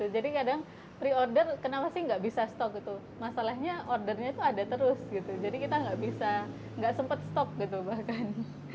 kadang pre order kenapa sih nggak bisa stok gitu masalahnya ordernya itu ada terus gitu jadi kita nggak bisa nggak sempat stop gitu bahkan